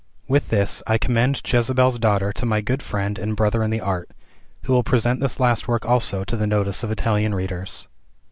With this, I commend "Jezebel's Daughter" to my good friend and brother in the art who will present this last work also to the notice of Italian readers.